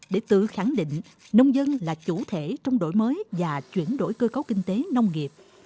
để tự khẳng định nông dân là chủ thể trong đổi mới và chuyển đổi cơ cấu kinh tế nông nghiệp